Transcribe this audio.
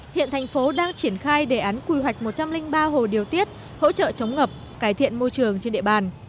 hiện thành phố đang triển khai đề án quy hoạch một trăm linh ba hồ điều tiết hỗ trợ chống ngập cải thiện môi trường trên địa bàn